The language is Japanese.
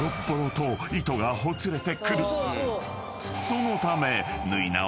［そのため］